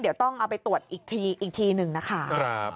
เดี๋ยวต้องเอาไปตรวจอีกทีหนึ่งนะคะ